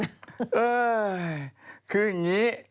เออคืออย่างนี้